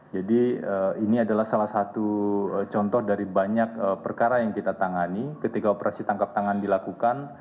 jadi ini adalah salah satu contoh dari banyak perkara yang kita tangani ketika operasi tangkap tangan dilakukan